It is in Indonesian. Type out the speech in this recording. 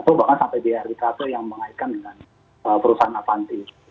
atau bahkan sampai biaya arbitrator yang mengaitkan dengan perusahaan avantis